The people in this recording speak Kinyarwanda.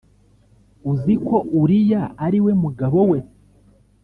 uziko uriya ari we mugabo we